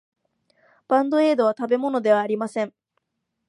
バンドエードは食べ物ではありません。